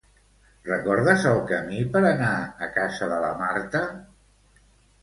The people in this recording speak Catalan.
Recordes el camí per anar a casa de la Marta?